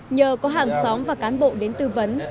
nhờ có hàng xóm và cán bộ đến tư vấn